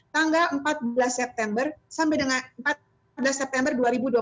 tanggal empat belas september sampai dengan empat belas september dua ribu dua puluh satu